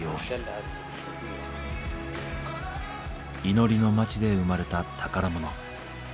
祈りの町で生まれた宝物。